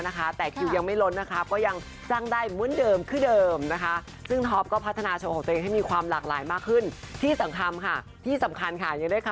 นั่นก็คือพ่อเอ๊ระเบียบวาชศิลป์คอยแนะนำด้วย